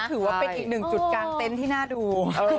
ถือว่าเป็นอีกหนึ่งจุดกางเต็นต์ที่น่าดู